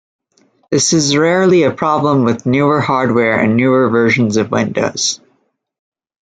This is rarely a problem with newer hardware and newer versions of Windows.